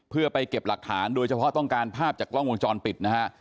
เพื่อไปเก็บหลักฐานโดยเฉพาะต้องการภาพจากกล้องวงจรปิดนะฮะ